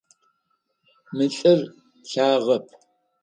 Мы лӏыр лъагэп.